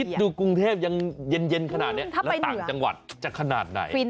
ดูกรุงเทพยังเย็นขนาดนี้แล้วต่างจังหวัดจะขนาดไหน